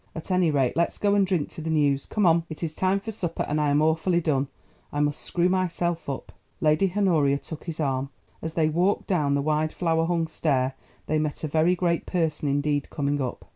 At any rate, let's go and drink to the news. Come on, it is time for supper and I am awfully done. I must screw myself up." Lady Honoria took his arm. As they walked down the wide flower hung stair they met a very great Person indeed, coming up.